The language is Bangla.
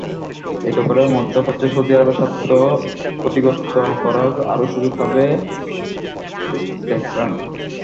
এতে করে মধ্যপ্রাচ্যে সৌদি আরবের স্বার্থ ক্ষতিগ্রস্ত করার আরও সুযোগ পাবে তেহরান।